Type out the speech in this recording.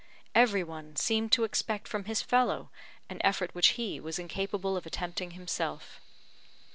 Every one seemed to expect from his fellow an effort which he was incapable of attempting himself.